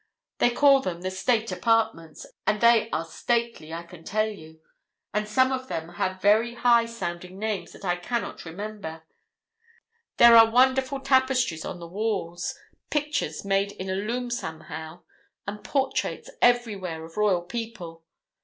They call them the State Apartments; and they are stately, I can tell you, and some of them have very high sounding names that I cannot remember. There are wonderful tapestries on the walls pictures made in a loom somehow and portraits everywhere of royal people.